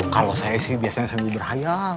kalau saya sih biasanya sambil berhayang